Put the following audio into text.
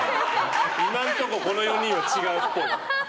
今のところこの４人は違うっぽい。